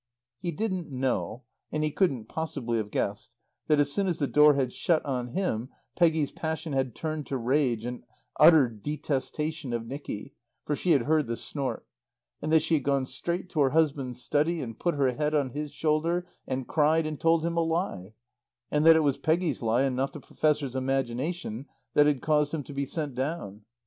He didn't know, and he couldn't possibly have guessed, that as soon as the door had shut on him Peggy's passion had turned to rage and utter detestation of Nicky (for she had heard the snort); and that she had gone straight to her husband's study and put her head on his shoulder, and cried, and told him a lie; and that it was Peggy's lie and not the Professor's imagination that had caused him to be sent down.